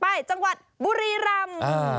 ไปจังหวัดบุรีรำ